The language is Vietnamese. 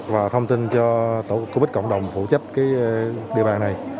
và thông tin cho tổ quốc covid cộng đồng phụ trách cái địa bàn này